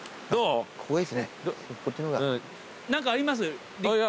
何かあります？